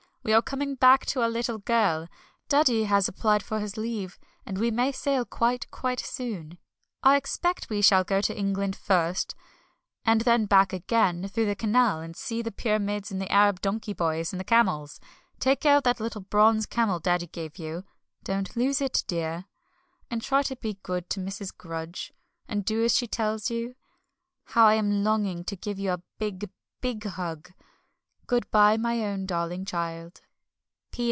We are coming back to our little girl. Daddy has applied for his leave, and we may sail quite, quite soon. I expect we shall go to England first, and then back again, through the Canal, and see the Pyramids and the Arab donkey boys, and the camels. Take care of that little bronze camel Daddy gave you don't lose it, dear. And try to be good to Mrs. Grudge, and do as she tells you. How I am longing to give you a big, big hug. Good bye, my own darling child.